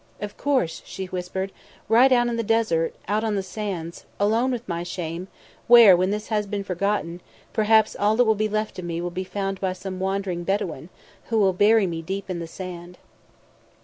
"Of course," she whispered. "Right out in the desert, out on the sands, alone with my shame, where, when this has been forgotten, perhaps all that will be left of me will be found by some wandering Bedouin, who will bury me deep in the sand."